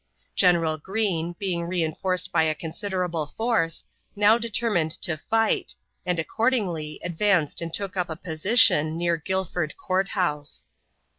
General Greene, being re enforced by a considerable force, now determined to fight, and accordingly advanced and took up a position near Guilford Court House.